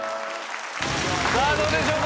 さあどうでしょうか？